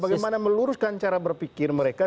bagaimana meluruskan cara berpikir mereka